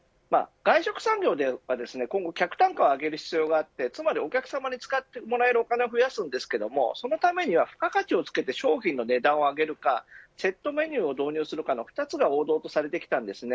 外食産業で今後、客単価を上げる必要があって、お客様に使ってもらえるお金を増やすんですがそのためには、付加価値をつけて商品の値段を上げるかセットメニューを導入するかの２つが王道とされてきました。